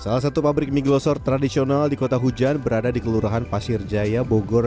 salah satu pabrik mie glosor tradisional di kota hujan berada di kelurahan pasir jaya bogor